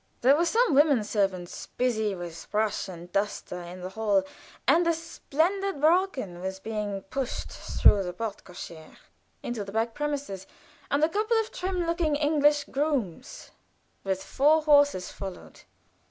There were some women servants busy with brush and duster in the hall, and a splendid barouche was being pushed through the porte cochère into the back premises; a couple of trim looking English grooms with four horses followed.